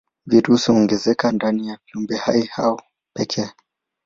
Virusi huongezeka ndani ya viumbehai hao pekee.